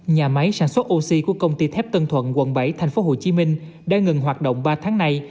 nhà máy sản xuất oxy của công ty thép tân thuận quận bảy thành phố hồ chí minh đã ngừng hoạt động ba tháng này